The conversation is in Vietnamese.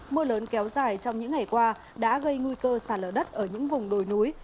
mưa lớn kéo dài trong những ngày qua đã gây nguy cơ sạt lở đất ở những vùng đồi núi